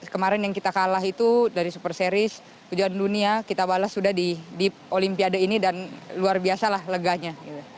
kemarin yang kita kalah itu dari super series kejuaraan dunia kita balas sudah di olimpiade ini dan luar biasa lah leganya